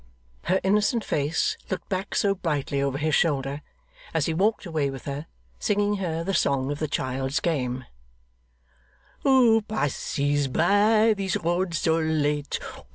Her innocent face looked back so brightly over his shoulder, as he walked away with her, singing her the song of the child's game: 'Who passes by this road so late?